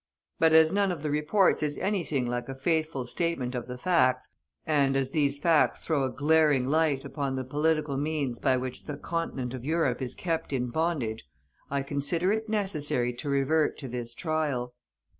But as none of the reports is anything like a faithful statement of the facts, and as these facts throw a glaring light upon the political means by which the continent of Europe is kept in bondage, I consider it necessary to revert to this trial.